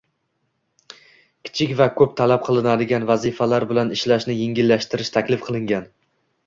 Kichik va ko'p vaqt talab qiladigan vazifalar bilan ishlashni engillashtirish taklif qilingan"